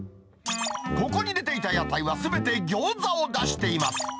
ここに出ていた屋台はすべて餃子を出しています。